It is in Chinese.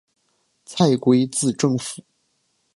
蔡圭字正甫。